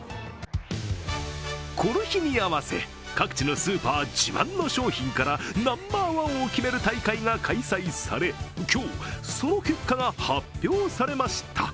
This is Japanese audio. この日に合わせ、各地のスーパー自慢の商品からナンバーワンを決める大会が開催され、今日、その結果が発表されました。